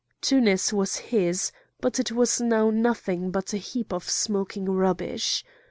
Tunis was his; but it was now nothing but a heap of smoking rubbish.